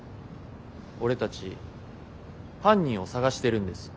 俺たち犯人を捜してるんです。